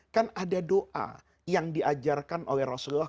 kan ada doa yang diajarkan oleh rasulullah